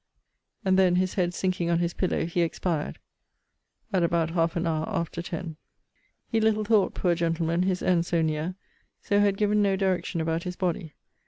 And then, his head sinking on his pillow, he expired, at about half an hour after ten. He little thought, poor gentleman! his end so near: so had given no direction about his body.